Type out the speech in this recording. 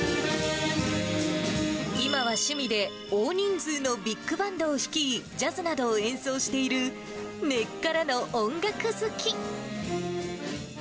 今は趣味で大人数のビッグバンドを率い、ジャズなどを演奏している、根っからの音楽好き。